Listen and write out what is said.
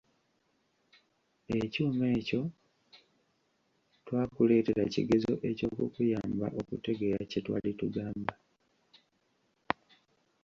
Ekyuma ekyo twakuleetera kigezo eky'okukuyamba okutegeera kye twali tugamba.